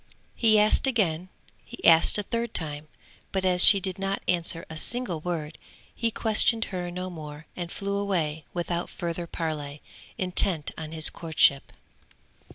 He asked again, he asked a third time, but as she did not answer a single word, he questioned her no more and flew away without further parley, intent on his courtship.